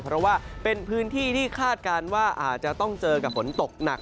เพราะว่าเป็นพื้นที่ที่คาดการณ์ว่าอาจจะต้องเจอกับฝนตกหนัก